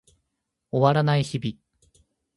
終わらない日々